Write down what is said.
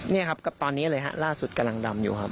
นี่ครับกับตอนนี้เลยฮะล่าสุดกำลังดำอยู่ครับ